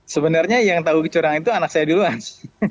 sebenarnya yang tahu kecurangan itu anak saya duluan